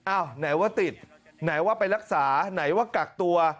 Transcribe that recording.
ไหนว่าติดไหนว่าไปรักษาไหนว่ากักตัว